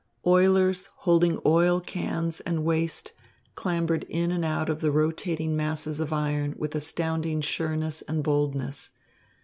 Oilers holding oil cans and waste clambered in and out of the rotating masses of iron with astounding sureness and boldness.